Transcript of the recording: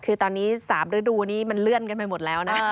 คือตอนนี้๓ฤดูนี้มันเลื่อนกันไปหมดแล้วนะ